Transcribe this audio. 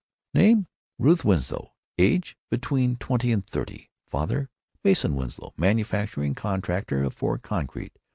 "Name, Ruth Winslow. Age, between twenty and thirty. Father, Mason Winslow, manufacturing contractor for concrete.